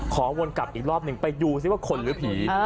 วนกลับอีกรอบหนึ่งไปดูซิว่าคนหรือผี